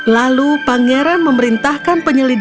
lalu pangeran memerintahkan penyelamatnya